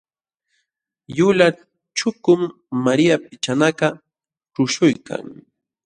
Yulaq chukum Maria pichanakaq tuśhuykan.